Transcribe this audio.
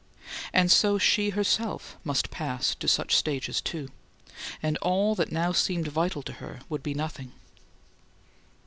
And so she, herself, must pass to such changes, too, and all that now seemed vital to her would be nothing.